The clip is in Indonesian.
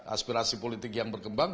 aspirasi politik yang berkembang